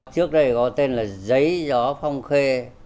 trước đây có tên là giấy gió phong khê